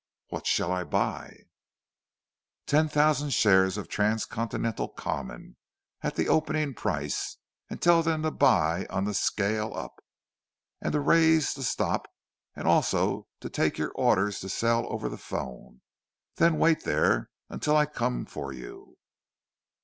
"What shall I buy?" "Ten thousand shares of Transcontinental Common at the opening price; and tell them to buy on the scale up, and to raise the stop; also to take your orders to sell over the 'phone. Then wait there until I come for you."